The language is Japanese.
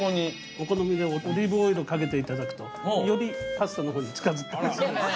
お好みでオリーブオイルかけていただくとよりパスタのほうに近づきますんで。